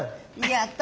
やった！